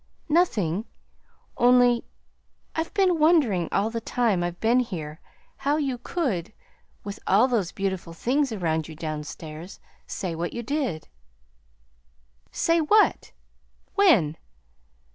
"Nothing; only I've been wondering all the time I've been here how you could with all those beautiful things around you downstairs say what you did." "Say what? when?"